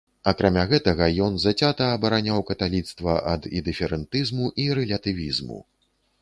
Акрамя гэтага, ён зацята абараняў каталіцтва ад індыферэнтызму і рэлятывізму.